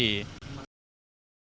masukan masukan itu kan harus ditanggapi